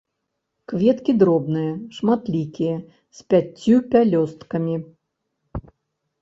Кветкі дробныя, шматлікія, з пяццю пялёсткамі.